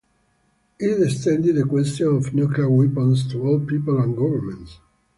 It extended the question of nuclear weapons to all people and governments.